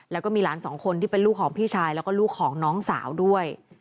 แล้วก็มีหลานสองคนที่เป็นลูกของพี่ชายแล้วก็ลูกของน้องสาวด้วย